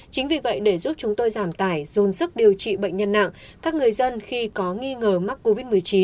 chính vì vậy để giúp chúng tôi giảm tải dồn sức điều trị bệnh nhân nặng các người dân khi có nghi ngờ mắc covid một mươi chín